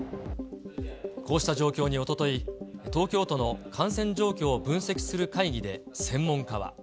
こうした状況におととい、東京都の感染状況を分析する会議で専門家は。